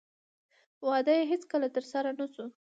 واده یې هېڅکله ترسره نه شو.